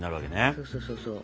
そうそうそうそう。